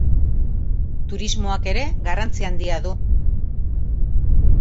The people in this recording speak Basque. Turismoak ere garrantzi handia du.